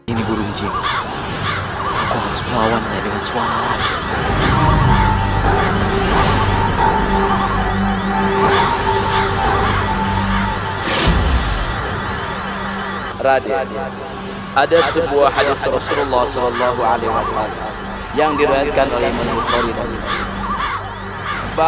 ini burung jiwa aku harus melawannya dengan suara